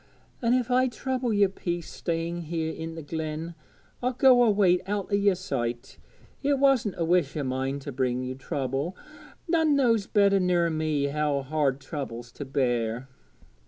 An' if I trouble yer peace staying here i' the glen, I'll go away out o' yer sight. It wasn't a wish o' mine to bring ye trouble. None knows better ner me how hard trouble's to bear.'